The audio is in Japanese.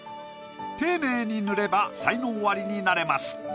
丁寧に塗れば才能アリになれます。